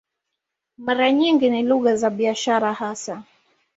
Mara nyingi ni lugha za biashara hasa.